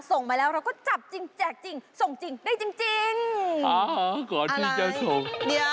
ส่งมาแล้วเราก็จับจริงแจกจริงส่งจริงได้จริง